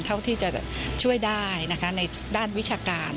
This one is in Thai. เท่าที่จะช่วยได้นะคะในด้านวิชาการ